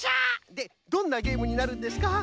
でどんなゲームになるんですか？